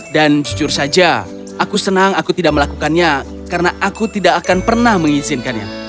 dan jujur saja aku senang aku tidak melakukannya karena aku tidak akan pernah mengizinkannya